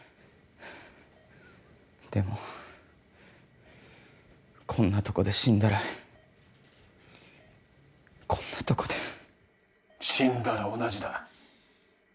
でもこんなとこで死んだらこんなとこで死んだら同じだ